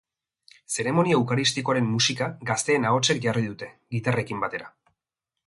Zeremonia eukaristikoaren musika gazteen ahotsek jarri dute, gitarrekin batera.